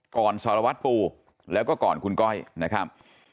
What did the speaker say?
ก่อนสวรรค์ปูแล้วก็ก่อนคุณก้อยนะครับ